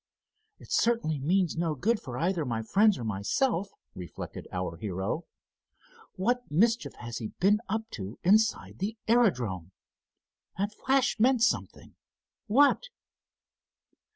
"It certainly means no good for either my friends or myself," reflected our hero. "What mischief has he been up to inside the aerodrome? That flash meant something. What?"